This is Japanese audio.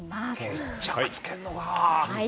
決着つけるのか。